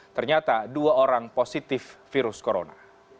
ternyata dua orang positif virus corona